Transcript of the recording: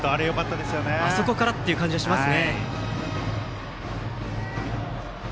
あそこからという感じがします。